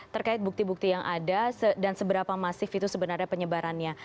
terkait bukti bukti yang ada dan seberapa masif itu sebenarnya penyebarannya